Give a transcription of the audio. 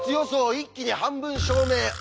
一気に半分証明終わり！